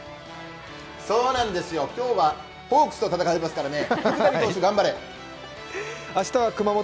そうなんですよ、今日はホークスと戦いますからね。